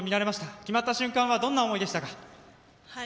決まった瞬間はどんな思いでしたか？